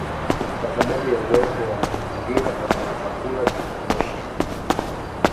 Kwa sababu ya uwepo wa mazingira pamoja chakula cha kutosha